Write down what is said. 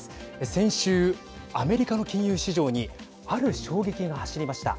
先週、アメリカの金融市場にある衝撃が走りました。